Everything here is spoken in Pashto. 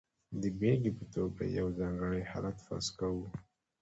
د بېلګې په توګه یو ځانګړی حالت فرض کوو.